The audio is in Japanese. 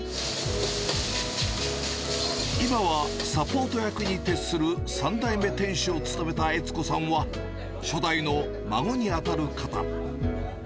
今はサポート役に徹する３代目店主を務めた悦子さんは、初代の孫に当たる方。